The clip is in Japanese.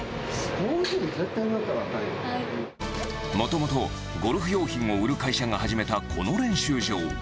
もともとゴルフ用品を売る会社が始めたこの練習場。